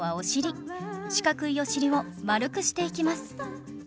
四角いお尻を丸くしていきます